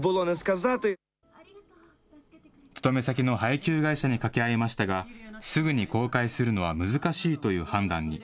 勤め先の配給会社に掛け合いましたが、すぐに公開するのは難しいという判断に。